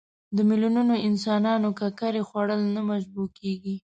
د میلیونونو انسانانو ککرې خوړل نه مشبوع کېږي.